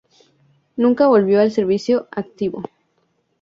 Nunca volvió al servicio activo.